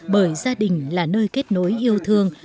bởi gia đình là nơi kết nối yêu thương